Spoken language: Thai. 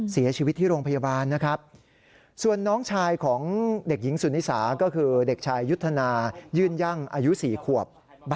เสียชีวิตที่โรงพยาบาลนะครับ